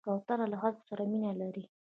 کوتره له خلکو سره مینه لري.